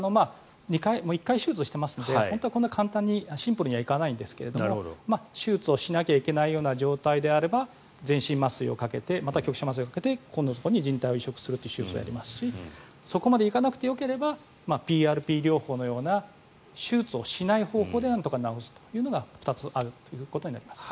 １回手術をしてますので本当はこんなに簡単にシンプルにいかないですが手術をしなきゃいけないような状態であれば、全身麻酔やまた局所麻酔をかけてじん帯を移植する手術をやりますしそこまでいかなくてよければＰＲＰ療法のような手術をしない方法でなんとか治すというのが２つあるということになります。